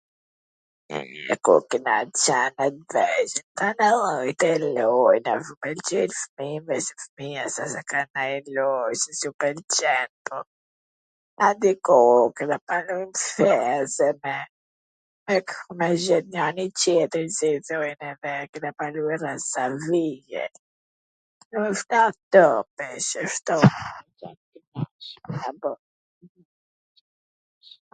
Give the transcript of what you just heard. Kur kena qen na t vegjwl... lojna q u pwlqejn fmijve... se fmija s a se ka nanj looj qw pwlqen, po na diku kena pa...me xhet njani tjetrin si i thojn edhe kena pa lujt edhe savilje ... ndoshta top e qashtu...